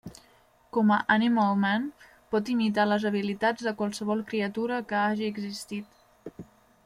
Com a Animal Man pot imitar les habilitats de qualsevol criatura que hagi existit.